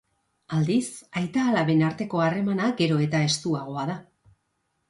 Aldiz, aita-alaben arteko harremana gero eta estuagoa da.